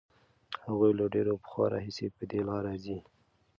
هغوی له ډېر پخوا راهیسې په دې لاره ځي.